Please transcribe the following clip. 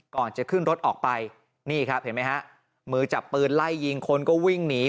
ก่อนจะขึ้นรถออกไปนี่ครับเห็นไหมฮะมือจับปืนไล่ยิงคนก็วิ่งหนี